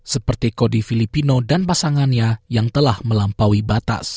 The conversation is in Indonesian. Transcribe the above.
seperti cody filippino dan pasangannya yang telah melampaui batas